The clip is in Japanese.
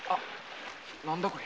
何だこれは？